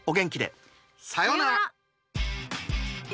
さようなら！